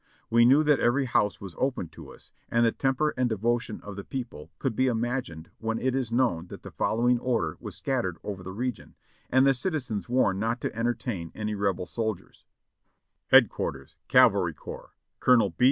We knew that every house was open to us, and the temper and devotion of the people can be imagined when it is known that the following order was scattered over the region, and the citi zens warned not to entertain any Rebel soldiers : "Headquarters Cavalry Corps. "Col.